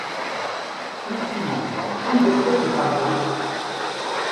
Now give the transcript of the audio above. Ssuref-iyi, anda tella temkarḍit?